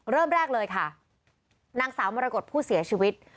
เริ่มแรกเลยค่ะนางสาวมรกฏผู้เสียชีวิต